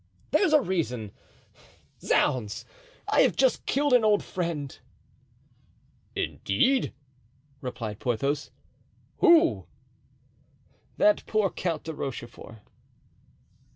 "There's a reason! Zounds! I have just killed an old friend." "Indeed!" replied Porthos, "who?" "That poor Count de Rochefort."